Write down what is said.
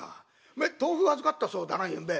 お前豆腐預かったそうだなゆんべ。